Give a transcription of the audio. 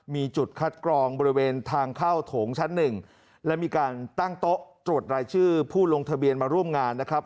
มีจุดคัดกรองบริเวณทางเข้าโถงชั้นหนึ่งและมีการตั้งโต๊ะตรวจรายชื่อผู้ลงทะเบียนมาร่วมงานนะครับ